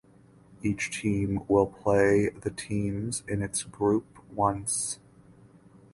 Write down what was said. Each team will play the teams in its group once.